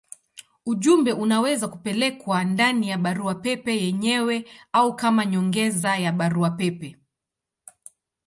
Ujumbe unaweza kupelekwa ndani ya barua pepe yenyewe au kama nyongeza ya barua pepe.